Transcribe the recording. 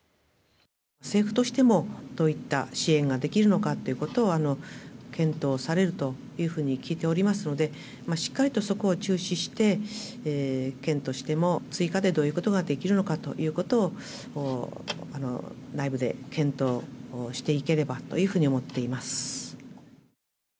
政府としてもどういった支援をできるのかということを検討されるというふうに聞いておりますのでしっかりとそこを注視して検討して、追加でどういうことができるのかということを内部で検討していければというふうに思っています。